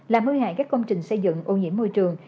là mưu hại các công trình xây dựng ô nhiễm môi trường